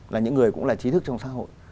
là những người cũng là trí thức trong xã hội